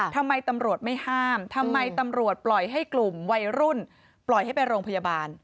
ทำไมตำรวจไม่ห้ามทำไมตำรวจปล่อยให้กลุ่มวัยรุ่นปล่อยให้ไปโรงพยาบาล